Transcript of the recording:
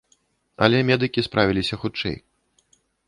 Але медыкі справіліся хутчэй.